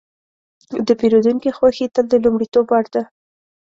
د پیرودونکي خوښي تل د لومړیتوب وړ ده.